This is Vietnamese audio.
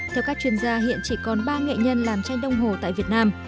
theo các chuyên gia hiện chỉ còn ba nghệ nhân làm tranh đông hồ tại việt nam